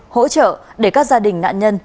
hỗ trợ để các gia đình nạn nhân